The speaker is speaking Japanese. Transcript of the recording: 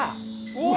うわ！